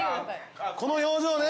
この表情ね。